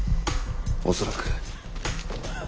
恐らく。